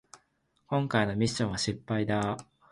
こんかいのミッションは失敗だ